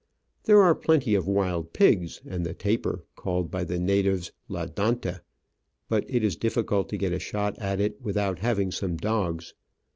There are plenty of wild pigs and the tapir, called by the natives La Danta, but it is difficult to get a shot at it without having some dogs.